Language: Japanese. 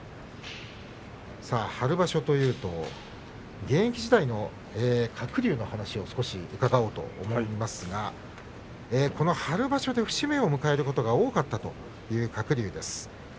春場所というと現役時代の鶴竜の話を少し伺おうと思いますがこの春場所で節目を迎えることが多かったという鶴竜です。